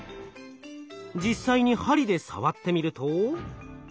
実際に針で触ってみると。